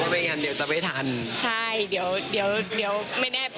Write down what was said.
เพราะว่าไม่ไปกันเดียวจะไม่ทัน